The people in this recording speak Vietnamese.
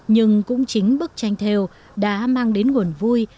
nhưng cũng chính bức tranh theo đã mang đến nguồn vui